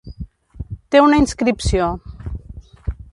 Té una inscripció.